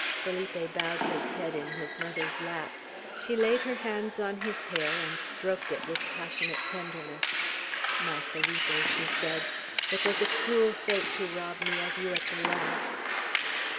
Felipe bowed his head in his mother's lap. She laid her hands on his hair, and stroked it with passionate tenderness. "My Felipe!" she said. "It was a cruel fate to rob me of you at the last!"